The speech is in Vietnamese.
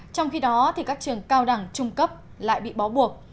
trong khi đó các trường cao đẳng trung cấp lại bị bó buộc